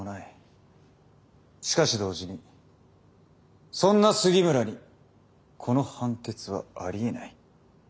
しかし同時にそんな杉村にこの判決はありえない。